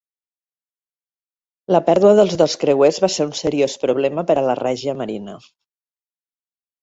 La pèrdua dels dos creuers va ser un seriós problema per a la Regia Marina.